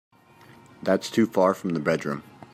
That's too far from the bedroom.